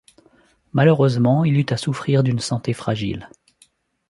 Malheureusement il eut à souffrir d'une santé fragile.